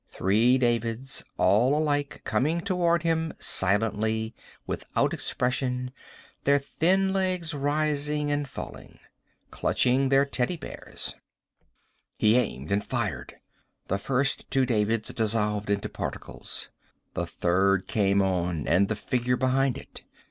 Three Davids, all alike, coming toward him silently, without expression, their thin legs rising and falling. Clutching their teddy bears. He aimed and fired. The first two Davids dissolved into particles. The third came on. And the figure behind it.